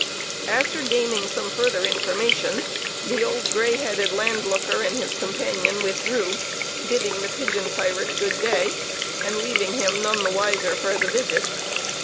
After gaining some further information, the old gray headed land looker and his companion withdrew, bidding the pigeon pirate good day, and leaving him none the wiser for the visit.